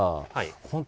本当